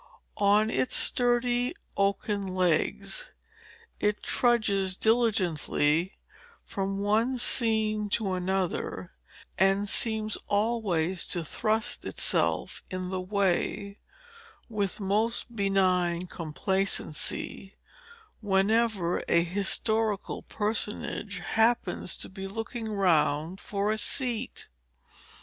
On its sturdy oaken legs, it trudges diligently from one scene to another, and seems always to thrust itself in the way, with most benign complacency, whenever a historical personage happens to be looking round for a seat.